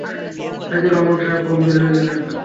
সাইদুর রহমান সাহেব গম্ভীর হয়ে গেলেন।